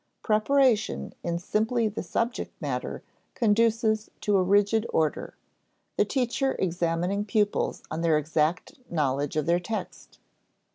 Preparation in simply the subject matter conduces to a rigid order, the teacher examining pupils on their exact knowledge of their text.